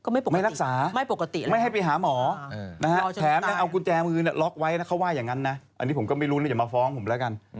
ไม่รักษาไม่ให้ไปหาหมอแถมเอากุญแจมือล็อกไว้เขาว่าอย่างนั้นนะอันนี้ผมก็ไม่รู้เลยอย่ามาฟ้องผมแล้วกัน